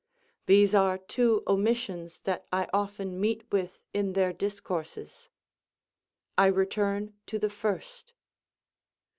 These are two omissions that I often meet with in their discourses. I return to the first.